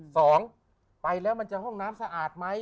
สองไปแล้วมันจะห้องน้ำสะอาดไหม